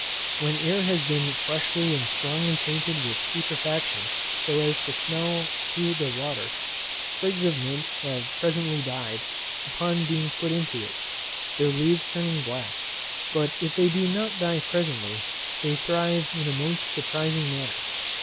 When air has been freshly and strongly tainted with putrefaction, so as to smell through the water, sprigs of mint have presently died, upon being put into it, their leaves turning black; but if they do not die presently, they thrive in a most surprizing manner.